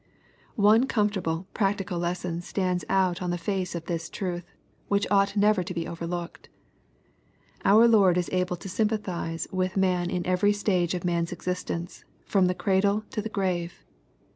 One comfortable practical lesson stands out on the face of this truth, which ought never to be overlooked. Our Lord is able to sympathize with man in every stage of man's existence, from the cradle to the grave.